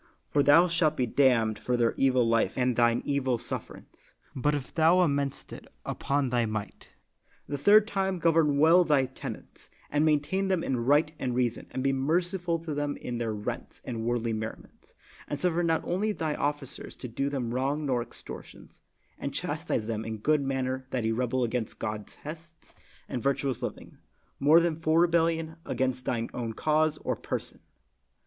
For thou shalt be damned for their evil life and thine evil sufferance, but if thou amendest it upon thy might. The third time, govern well thy tenants, and maintain them in right and reason and be merciful to them in their rents and worldly mer riments, and suffer not thy officers to do them wrong nor extortions, and chastise them in good manner that he rebel against God's hests and 8 WYCLIF virtuous living, more than for rebellion against thine own cause or person.